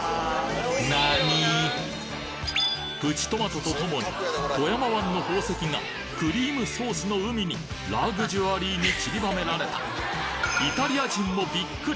プチトマトとともに富山湾の宝石がクリームソースの海にラグジュアリーに散りばめられたイタリア人もびっくり！